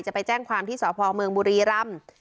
จะไปแจ้งความที่สพเมืองบุรีรำ